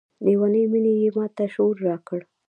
لیونۍ میني یې ماته شعور راکړی